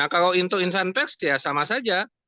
kalau untuk insan pers ya sama saja